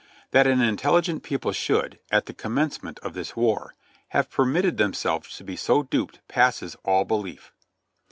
That an intelligent people should, at the commencement of this war, have permitted themselves to be so duped passes all belief.